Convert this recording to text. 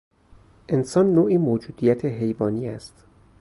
انسان نوعی موجودیت حیوانی است.